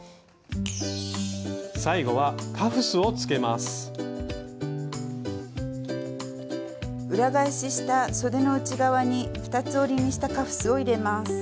最後は裏返ししたそでの内側に二つ折りにしたカフスを入れます。